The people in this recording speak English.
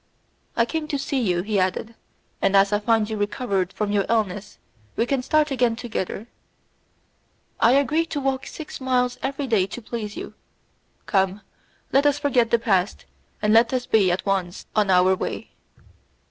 "I came to see you," he added, "and as I find you recovered from your illness, we can start again together; I agree to walk six miles every day to please you. Come, let us forget the past, and let us be at once on our way."